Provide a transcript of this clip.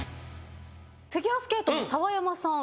フィギュアスケートの澤山さん。